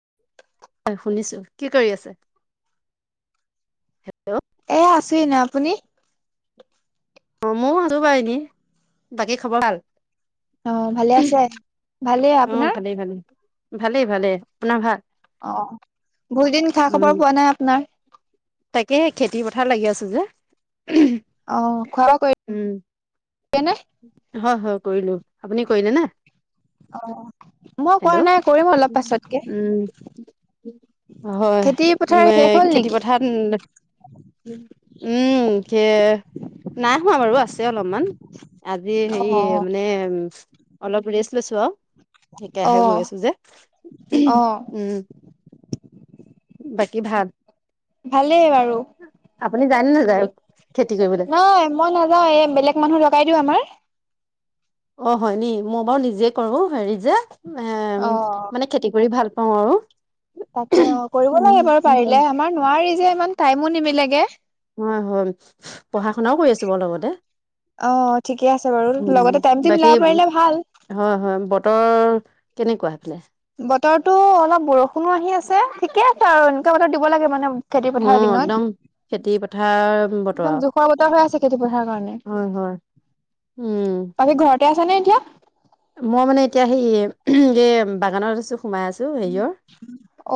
[inaudible] হয়, শুনিছোঁ! কি কৰি আছে? হেল্ল'? এ, আছোঁ এনেই। আপুনি? অ'! মইয়ো আছোঁ বাৰু এনেই। বাকী খবৰ ভাল? অ'! ভালে আছে? ভালেই অ'! আপোনাৰ ভালেই ভালে, ভালেই-ভালেই! আপোনাৰ ভাল? অ'! বহুত দিন খা-খবৰ পোৱা নাই, আপোনাৰ। তাকেহে, খেতি পথাৰত লাগি আছোঁ যে। [unintelligible] অ'! খোৱা-বোৱা উম কৰিলেনে? হয়, হয়! কৰিলোঁ। আপুনি কৰিলেনে? অঁ মই কৰা হেল্ল'? নাই কৰিম অলপ পাছতকে উম! হয়! খেতি পথাৰ এ, শেষ হ'ল খেতি নেকি পথাৰত উম! [unintelligible] নাই হোৱা বাৰু আছে অলপমান। আজি, সেৰি মানে, অলপ ৰেষ্ট লৈছোঁ আৰু। অ অ একৰাহে গৈ আছোঁ যে। উম! বাকী ভাত? ভালেই বাৰু। আপুনি যায়নে নাযায়, খেতি কৰিবলে? অ মই নাযাওঁ এই বেলেগ মানুহ লগাই দিওঁ আমাৰ অ হয় নি মই বাৰু নিজে কৰো হেৰি যে অ এ মানে খেতি কৰি ভাল পাওঁ আৰু তাকে অ কৰিব উম লাগে বাৰু উম পাৰিলে আমাৰ নোৱাৰি যে ইমান টাইমো নিবিলেগে হয় হয় পঢ়া শুনাও কৰি আছো বাৰু লগতে অ ঠিকে আছে বাৰু উম লগতে টাইমটো বাকী মিলাব পাৰিলে ভাল হয় হয় বতৰ কেনেকুৱােইফালে বতৰটো অলপ বৰষুণো আহি আছে ঠিকে আছে আৰু এনেকুৱা বতৰ দিব লাগে মানে খেতি উ পথাৰৰ দিনত একদম খেতি পথাৰ বতৰ একদম আৰু জোখৰ বতৰ হৈ আছে খেতি পথাৰ কাৰণে হয় হয় উম আৰু ঘৰত আছে নে এতিয়া মই মানে এতিয়া সেই এ বাগানত আছো সোমাই আছো হেয়ৰ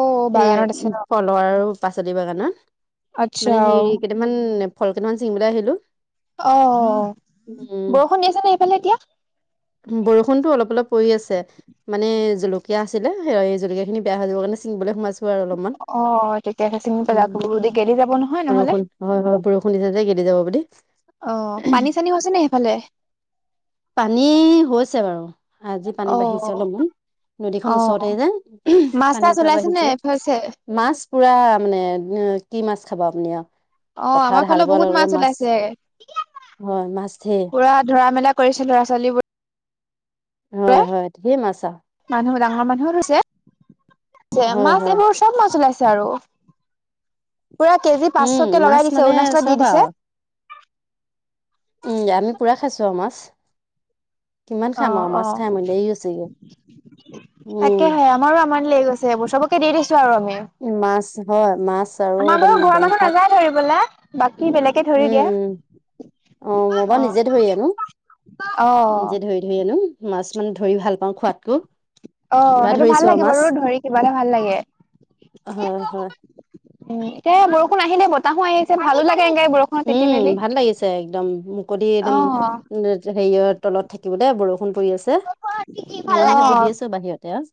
অ স বাগানত আছে উ ন ফল লৰা আৰু পাচলি বাগানত আচ্ছা মানে হেৰি কেইটামান ফল কেইটামান চিঙিবলৈ আহিলো অ উম বৰষুণ আছে নে এইফালে এতিয়া বৰষুণতো অলপ অলপ পৰি আছে মানে জলকীয়া আছিলে এই জলকীয়া খিনি বেয়া হৈ যাব কাৰণে চিঙিবলৈ সোমাইছো আৰু অলপমান অ তেতিয়া সে চিঙি উ পেলাব গেলি যাব নহয় নহলে বৰষুণ হয় হয় বৰষুণ দিছে যে গেদি যাব বুলি অঁ পানী চানী হৈছেনে সেইফালে পানী হৈছে বাৰু আজি পানী অ বাঢ়িছে অলপমান অ নদীখন ওচৰতে যে মাছ পানী চাছ পুৰা ওলাইছে নে বাঢ়িছে হৈছে মাছ পুৰা মানে কি মাছ খাব আপুনি আৰু অ পথাৰত আমাৰ হাল ফালে বোৱাৰ লগে বহুত লগে মাছ ওলাইছে। হয় মাছ ঢেৰ পুৰা ধৰা মেলা কৰিছিল লৰা ছোৱালীবোৰ হয় হয় ঠিকেইে ম আছা মানুহ ডাঙৰ মানুহছে হয় মাছ হয় এইবোৰ চব মাছ ওলাইছে আৰু পুৰা কেজি উম পাঁচশকে মাছ লগাই দিছে মানে অৰুণাচলত দি চব দিছে আৰু উম আমি পুৰা খাইছো আৰু মাছ কিমান খাম অ', আৰু মাছ অ'। খাই মান দেৰি হৈছেগে উম তাকেহে আমাৰো আমাৰ লৈ গৈছে এইবোৰ চবকে দি দিছো আৰু আমি মাছ হয় মাছ আৰু একদম বনসাত ধবা বাকী বেলেগ ধৰি দিয়া উম মই বাৰু অ নিজে ধৰি অ সেইয়েনো মাছ মানে ধৰি ভাল পাওঁ খোৱাতকো অ সেইটো ভাল লাগে বাৰু ধৰি কিবাটা ভাল লাগে হয় হয় উম এয়া বৰষুণ আহিলে বতাহো আহিছে ভালো লাগে এনকে বৰষুণ উম ভাল লাগিছে একদম মুকলি অ'। একদম হেৰিয়ত তলত থাকিব দে বৰষুণ পৰি আছে মই মানে বহি অ', আছো বাহিৰতে আৰু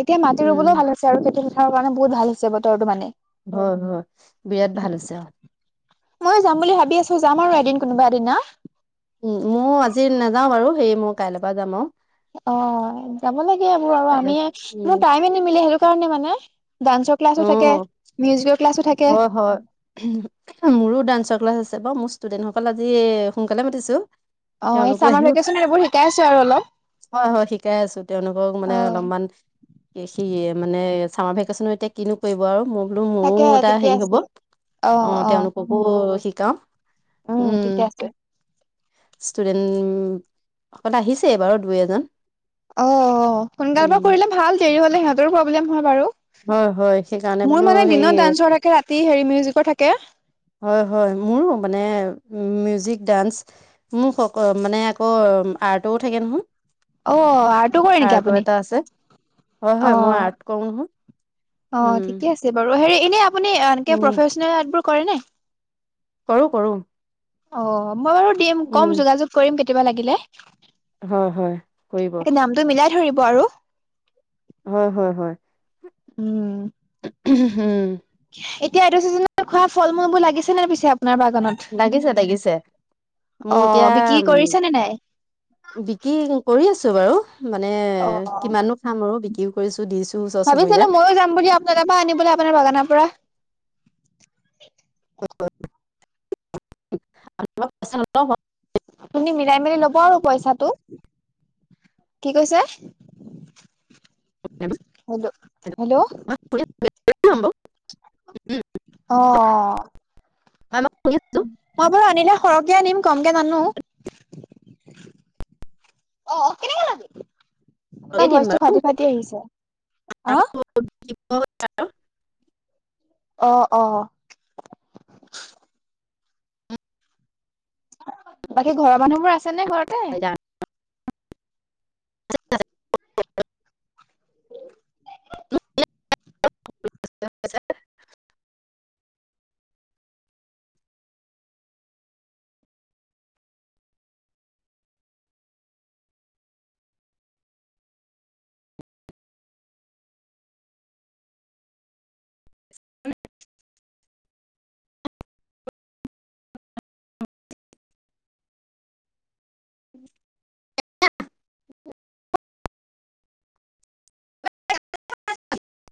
এতিয়া মাটি ৰুবলৈও উম ভাল হৈছে আৰু খেতি পথাৰৰ কাৰণে বহুত ভাল হৈছে বতৰটো মানে হয় হয় বিৰাট ভাল হৈছে আহ ময়ো যাম বুলি ভাবি আছো যাম আৰু এদিন কোনোবা এদিনা উম ময়ো আজি নাযাও বাৰু সেই মই কাইলৈৰ পৰা যাম আৰু অ যাব লাগে এইবোৰ আৰু কাইলৈ আমি মোৰ উম টাইমে নিমিলে সেইটো কাৰণে মানে ডান্সৰ ক্লাছো থাকে অ মিউজিকৰ ক্লাছো থাকে হয়, হয় উম এখন মোৰো ডান্সৰ ক্লাছ আছে বাও মোৰ ষ্টুডেন্টসকল আজি সোনকালে মাতিছো অ এই তেওঁলোকো চামাৰ আহিব ভেকেশচনত এইবোৰ শিকাই আছো আৰু অলপ হয় হয় শিকাই আছো তেওঁলোকক মানে অলপমান সি মানে চামাৰ ভেকেশচনতনো এতিয়া কিনো কৰিব আৰু মোৰ তাকে ঠিকে আছে অ অ কবোও শিকাও উম ঠিকে আছে ষ্টুডেন্ট হত আহিছে বাৰু দুই এজন অহ সোনকাল উম। পৰা কৰিলে ভাল দেৰি হলে সিহঁতৰো প্ৰব্লেম হয় হয়, হয় সেইকাৰণে বাৰু বোলো মোৰ মানে হেৰি দিনত ডান্সৰ থাকে ৰাতি হেৰি মিউজিকৰ থাকে হয় হয় মোৰো মানে মিউজিক ডান্স মোক সক মানে আকৌ আৰ্টও থাকে নহয় অ আৰ্টো কৰে নেকি আৰ্টৰ আপুনি এটা আছে হয় অ হয় মই আৰ্ট কৰো নহয় অ উম, ঠিকে আছে বাৰু হেৰি এনে আপুনি একে উম, প্ৰফেচনেল আৰ্টবোৰ কৰে নে কৰো কৰো অ মই বাৰু দিম কম যোগাযোগ কৰিম কেতিয়াবা লাগিলে হয় হয় কৰিব ত মিলাই ধৰিব আৰু হয় হয় হয় উম উম এতিয়া এইটো চিজনত খোৱা ফল মূলবোৰ লাগিছে নে পিছে আপোনাৰ বাগানত লাগিছে লাগিছে অ মোৰ এতিয়া বিক্ৰী কৰিছে নে নাই উ বিক্ৰী কৰি আছো বাৰু মানে অ কিমাননো খাম আৰু বিক্ৰীও কৰিছো দিছো ওচৰ চুবুৰীয়াক দাদাপা আনিবলৈ আপোনাৰ বাগানৰ পৰা হয় [unintelligible] আ পচ [unintelligible] আপুনি মিলাই মেলি লব আৰু পইচাটো কি কৈছে অ [unintelligible] হেল্ল' হেল্ল' উম, অ অ অ মই শুনিছো মই বাৰু আনিলে সৰহকে আনিম কমকে নানো অ কেনেকে লয় কমতে দিম বাৰু [unintelligible] অ অ বাকী ঘৰৰ মানুহ বোৰ আছে নে ঘৰতে [unintelligible] ছ [unintelligible] উ